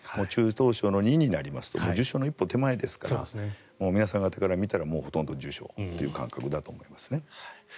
中等症の２になりますと重症の一歩手前ですから皆さんから見たらほとんど重症という感覚だと思いますね。